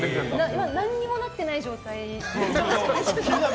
何もなってない状態。